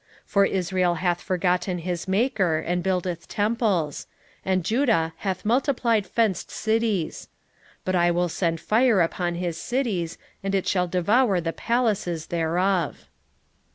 8:14 For Israel hath forgotten his Maker, and buildeth temples; and Judah hath multiplied fenced cities: but I will send a fire upon his cities, and it shall devour the palaces thereof.